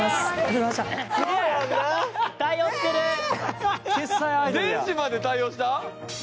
電子まで対応した！？